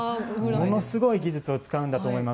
ものすごい技術を使うんだと思います。